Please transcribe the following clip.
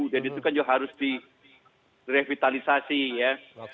dan itu kan juga harus direvitalisasi ya